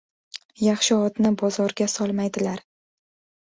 • Yaxshi otni bozorga solmaydilar.